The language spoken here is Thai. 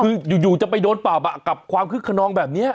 คืออยู่จะไปโดนปรับกับความคึกขนองแบบนี้